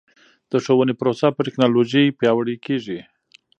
د ښوونې پروسه په ټکنالوژۍ پیاوړې کیږي.